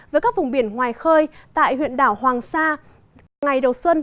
với các vùng biển ngoài khơi tại huyện đảo hoàng sa ngày đầu xuân